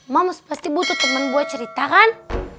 mams pasti butuh temen buat cerita kan